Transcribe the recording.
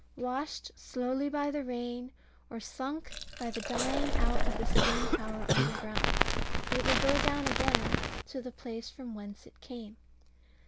Washed slowly by the rain, or sunk by the dying out of the steam power underground, it will go down again to the place from whence it came.